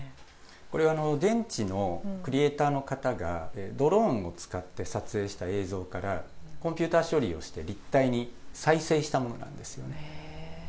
これは現地のクリエーターの方が、ドローンを使って撮影した映像からコンピューター処理をして、立体に再生したものなんですよね。